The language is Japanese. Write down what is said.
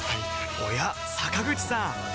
おや坂口さん